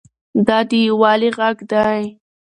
دا د یووالي غږ دی.